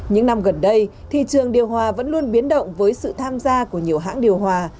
những năm gần đây thị trường điều hòa vẫn luôn biến động với sự tham gia của nhiều hãng điều hòa